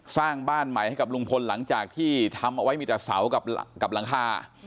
สร้างบ้านใหม่ให้กับลุงพลหลังจากที่ทำเอาไว้มีแต่เสากับหลังคา